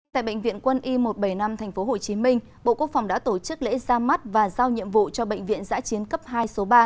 tại bệnh viện quân y một trăm bảy mươi năm tp hcm bộ quốc phòng đã tổ chức lễ ra mắt và giao nhiệm vụ cho bệnh viện giã chiến cấp hai số ba